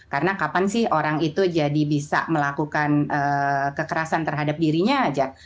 karena kapan sih orang itu jadi bisa melakukan kekerasan terhadap dirinya aja